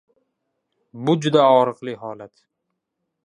Bu juda og‘riqli holat.